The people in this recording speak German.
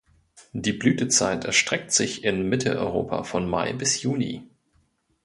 Die Blütezeit erstreckt sich in Mitteleuropa von Mai bis Juni.